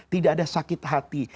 tidak ada sakit hati